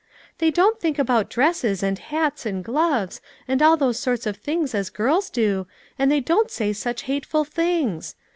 " They don't think about dresses, and hats, and gloves, and all those sorts of things as girls do, and they don't say such hateful things.